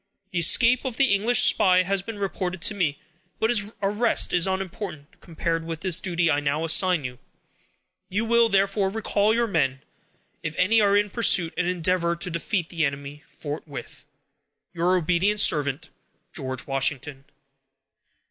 The escape of the English spy has been reported to me, but his arrest is unimportant, compared with the duty I now assign you. You will, therefore, recall your men, if any are in pursuit, and endeavor to defeat the enemy forthwith." Your obedient servant, GEO. WASHINGTON.